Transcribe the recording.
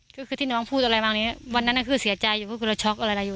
ก็คือที่น้องพูดอะไรมานี้วันนั้นคือเสียใจอยู่ก็คือเราช็อกอะไรอยู่